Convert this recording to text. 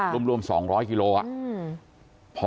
ค่ะรวมสองร้อยกิโลอะอืม